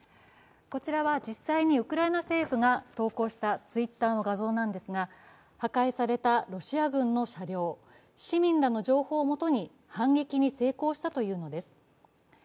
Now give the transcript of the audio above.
こちらは実際にウクライナ政府が投稿したＴｗｉｔｔｅｒの画像なのですが破壊されたロシア軍の車両、市民らの情報をもとに反撃に成功したというのです。